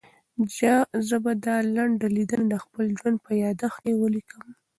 زه به دا لنډه لیدنه د خپل ژوند په یادښت کې ولیکم.